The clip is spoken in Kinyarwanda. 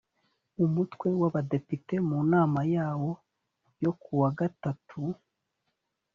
umutwe w abadepite mu nama yawo yo ku wa gatatu